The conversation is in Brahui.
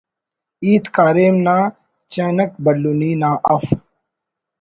ہیت کاریم نا چنک بھلنی نا اف